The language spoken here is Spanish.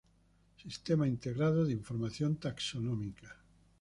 Sistema Integrado de Información Taxonómica.